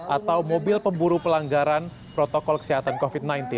atau mobil pemburu pelanggaran protokol kesehatan covid sembilan belas